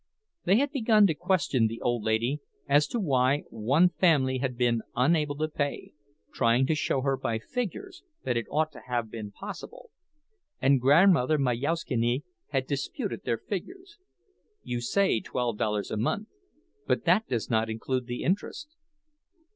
They had begun to question the old lady as to why one family had been unable to pay, trying to show her by figures that it ought to have been possible; and Grandmother Majauszkiene had disputed their figures—"You say twelve dollars a month; but that does not include the interest."